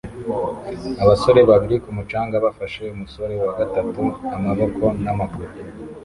Abasore babiri ku mucanga bafashe umusore wa gatatu amaboko n'amaguru